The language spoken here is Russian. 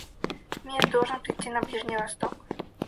Мир должен придти на Ближний Восток.